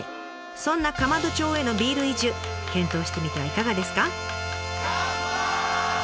そんな釜戸町へのビール移住検討してみてはいかがですか？